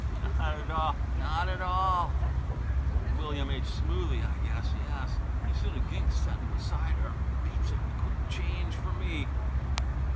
Not at all! Not at all! Old William H. Smoothy, I guess yes. Pretty soon a gink setting beside her beats it, and quick change for me.